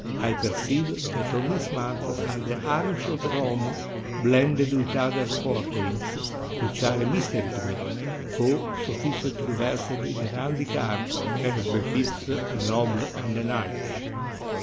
I perceive that on his mantle are the arms of Rome blended with other quarterings, which are a mystery to me, though sufficiently versed in heraldic art, as befits a noble and a knight."